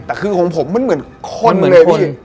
แต่คือของผมมันเหมือนคนเลยพี่